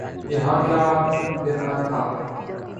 یہاں کیا گرنا تھا؟